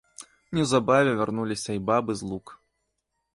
Неўзабаве вярнуліся й бабы з лук.